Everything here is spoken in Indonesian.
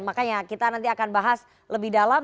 makanya kita nanti akan bahas lebih dalam